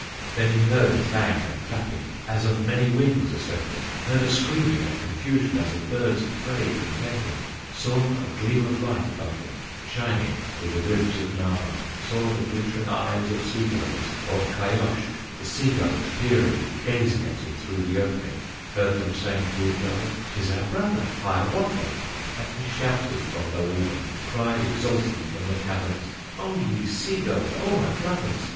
Then he heard a clang and flapping, As of many wings assembling, Heard a screaming and confusion, As of birds of prey contending, Saw a gleam of light above him, Shining through the ribs of Nahma, Saw the glittering eyes of sea gulls, Of Kayoshk, the sea gulls, peering, Gazing at him through the opening, Heard them saying to each other, "'T is our brother, Hiawatha!" And he shouted from below them, Cried exulting from the caverns: "O ye sea gulls! O my brothers!